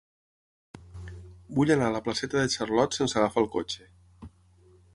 Vull anar a la placeta de Charlot sense agafar el cotxe.